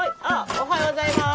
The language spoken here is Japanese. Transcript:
おはようございます。